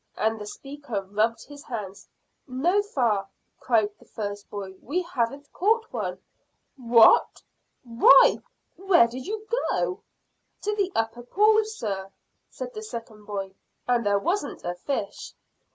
And the speaker rubbed his hands. "No, fa," cried the first boy. "We haven't caught one." "What! Why, where did you go?" "To the upper pool, sir," said the second boy, "and there wasn't a fish."